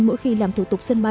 mỗi khi làm thủ tục